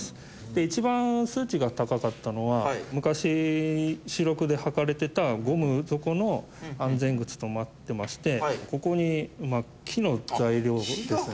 一番数値が高かったのは昔主力で履かれてたゴム底の安全靴となってましてここに木の材料ですね。